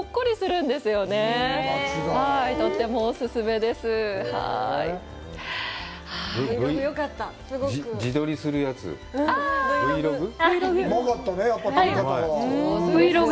うまかったね、撮り方が。